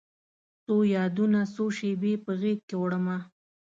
څو یادونه، څو شیبې په غیږکې وړمه